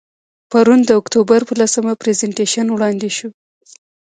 پرون د اکتوبر په لسمه، پرزنټیشن وړاندې شو.